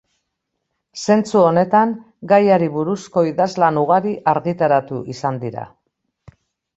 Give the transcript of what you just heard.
Zentzu honetan, gaiari buruzko idazlan ugari argitaratu izan dira.